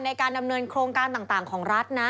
ในการดำเนินโครงการต่างของรัฐนะ